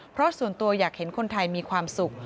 เพราะส่วนตัวอยากเห็นคนไทยมีความสุข